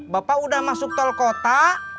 bapak udah masuk tol kota